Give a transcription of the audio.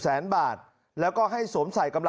มึงอยากให้ผู้ห่างติดคุกหรอ